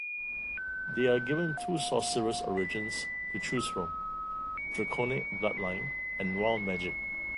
They are given two Sorcerous Origins to choose from: Draconic Bloodline and Wild Magic.